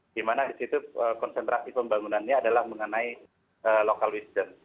dimana disitu konsentrasi pembangunannya adalah mengenai local wisdom